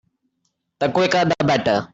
The quicker the better.